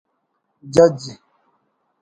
جج